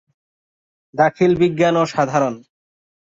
দাখিল বিজ্ঞান ও সাধারণ।